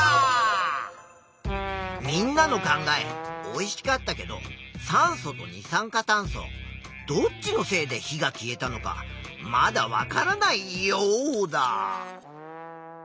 おいしかったけど酸素と二酸化炭素どっちのせいで火が消えたのかまだわからないヨウダ。